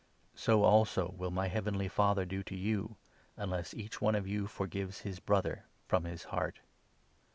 So, also, will my heavenly Father do to you, 35 unless each one of you forgives his Brother from his heart."